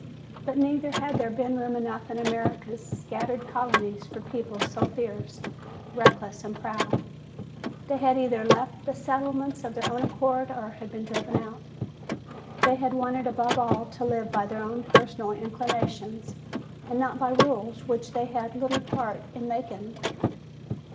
But neither had there been room enough in America's scattered colonies for people so fierce, reckless and proud. They had either left the settlements of their own accord or been driven out. They had wanted above all to live by their own personal inclinations and not by rules which they had little part in making.